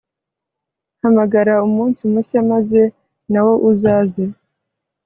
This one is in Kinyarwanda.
hamagara umunsi mushya, maze nawo uzaze